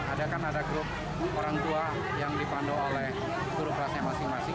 ada kan ada grup orang tua yang dipandu oleh guru kelasnya masing masing